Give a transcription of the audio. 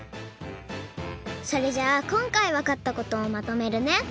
それじゃあこんかいわかったことをまとめるね！